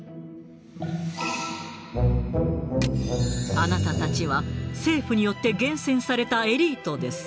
「あなたたちは政府によって厳選されたエリートです」。